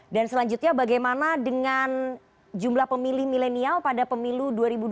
dan selanjutnya bagaimana dengan jumlah pemilih milenial pada pemilu dua ribu dua puluh empat